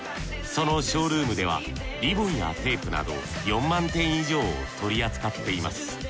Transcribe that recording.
そのショールームではリボンやテープなど４万点以上を取り扱っています。